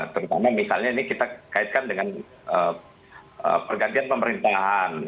terutama misalnya ini kita kaitkan dengan pergantian pemerintahan